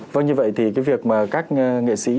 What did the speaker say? vâng như vậy thì cái việc mà các nghệ sĩ